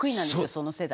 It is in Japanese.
その世代。